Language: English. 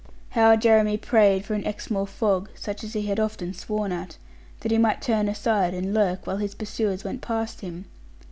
How Jeremy prayed for an Exmoor fog (such as he had often sworn at), that he might turn aside and lurk, while his pursuers went past him!